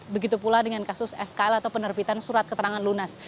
begitu pula dengan kasus skl atau penerbitan surat keterangan lunas